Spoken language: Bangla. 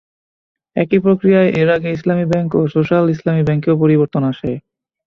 একই প্রক্রিয়ায় এর আগে ইসলামী ব্যাংক ও সোস্যাল ইসলামী ব্যাংকেও পরিবর্তন আসে।